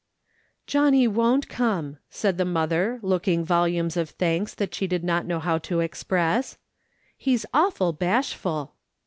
" Johnny won't come," said the mother, looking volumes of thanks that she did not know how to express. " He's awful bashful."